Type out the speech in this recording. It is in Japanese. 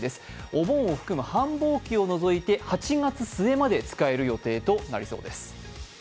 お盆を含む繁忙期を除いて８月末まで使える予定となりそうです。